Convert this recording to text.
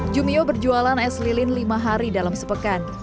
jumio berjualan es lilin lima hari dalam sepekan